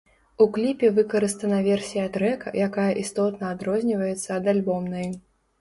У кліпе выкарыстана версія трэка, якая істотна адрозніваецца ад альбомнай.